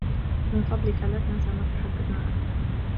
من فضلك، لا تنس ما تحدّثنا عنه.